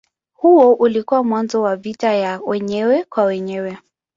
Huo ulikuwa mwanzo wa vita ya wenyewe kwa wenyewe.